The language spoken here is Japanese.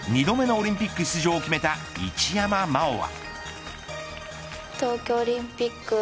そして２度目のオリンピック史上決めた一山麻緒は。